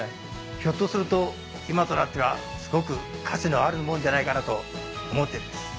ひょっとすると今となってはすごく価値のあるもんじゃないかなと思っています。